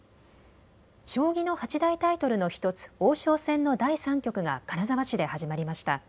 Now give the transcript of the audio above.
将棋の八大タイトルの１つ王将戦の第３局が金沢市で始まりました。